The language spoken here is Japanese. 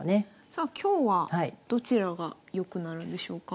さあ今日はどちらが良くなるんでしょうか？